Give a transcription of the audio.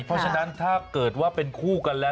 เพราะฉะนั้นถ้าเกิดว่าเป็นคู่กันแล้ว